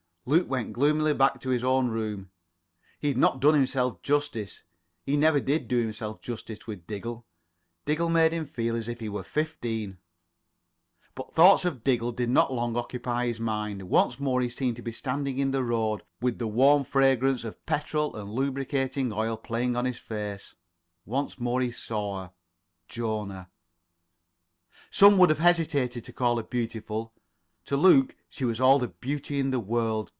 Luke went gloomily back to his own room. He had not done himself justice. He never did do himself justice with Diggle. Diggle made him feel as if he were fifteen. But thoughts of Diggle did not long occupy his mind. Once more he seemed to be standing in the road, with [Pg 23]the warm fragrance of petrol and lubricating oil playing on his face. Once more he saw her. Jona. Some would have hesitated to call her beautiful. To Luke she was all the beauty in the world.